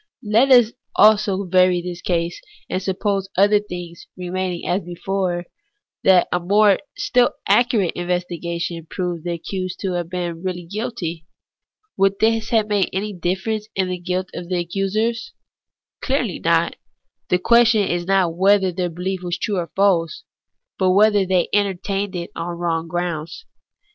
Let us vary this case also, and suppose, other things remaining as before, that a still more accurate investi gation proved the accused to have been really guilty. N 2 180 THE ETHICS OF BELIEF. Would this make any difference in the guilt of the accusers ? Clearly not ; the question is not whether their behef was true or false, but whether they enter tained it on wrong grounds.